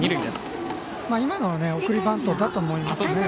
今のは送りバントだと思います。